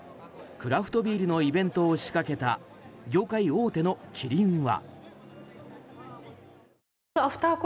クラフトビールのイベントを仕掛けた業界大手のキリンは。